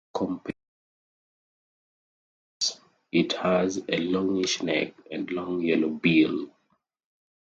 Compared to related species, it has a longish neck and long yellow bill.